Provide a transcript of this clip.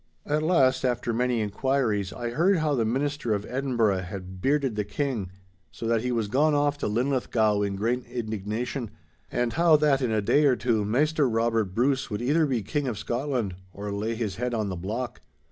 At last, after many inquiries, I heard how the Minister of Edinburgh had bearded the King, so that he was gone off to Linlithgow in great indignation, and how that in a day or two Maister Robert Bruce would either be King of Scotland or lay his head on the block.